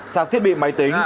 sạc thiết bị máy tính